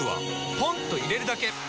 ポンと入れるだけ！